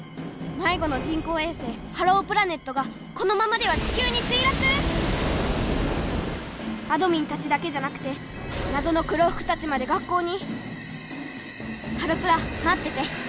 迷子の人工衛星ハロープラネットがこのままでは地球についらく⁉あどミンたちだけじゃなくてなぞの黒ふくたちまで学校に⁉ハロプラ待ってて。